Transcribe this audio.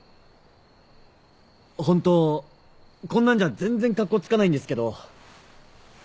ホントこんなんじゃ全然カッコつかないんですけど。